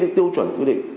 được tiêu chuẩn quy định